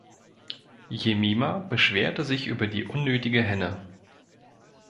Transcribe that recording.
Jemima beschwerte sich über die unnötige Henne.